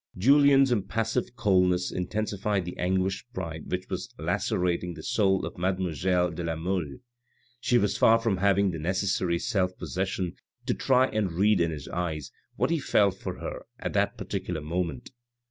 Julien's impassive coldness intensified the anguished pride which was lacerating the soul of mademoiselle de la Mole. She was far from having the necessary self possession to try and read in his eyes what he felt for her at that particular moment.